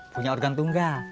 punya organ tunggal